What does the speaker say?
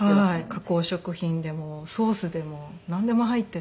加工食品でもソースでもなんでも入っていて。